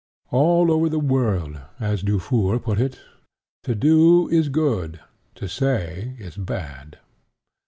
"All over the world," as Dufour put it, "to do is good, to say is bad."